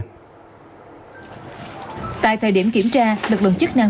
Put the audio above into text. tại thời điểm kiểm tra lực lượng chức năng